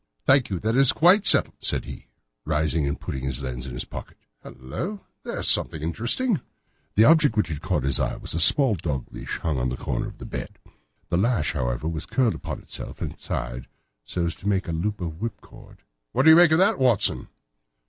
"Thank you. That is quite settled," said he, rising and putting his lens in his pocket. "Hullo! Here is something interesting!" The object which had caught his eye was a small dog lash hung on one corner of the bed. The lash, however, was curled upon itself and tied so as to make a loop of whipcord. "What do you make of that, Watson?"